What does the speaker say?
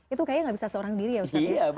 itu kayaknya gak bisa seorang diri ya ustadz